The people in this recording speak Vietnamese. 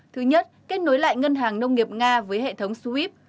thứ nhất kết nối lại ngân hàng nông nghiệp nga với hệ thống swif